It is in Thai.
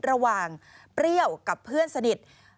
ระหว่างเปรี้ยวกับเพื่อนสนิท